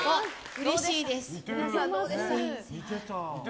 うれしいです。